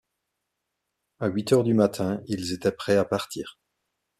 À huit heures du matin, ils étaient prêts à partir.